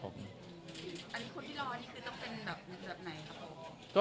คนที่รอที่คือต้องเป็นแบบไหนครับ